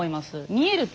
見えると。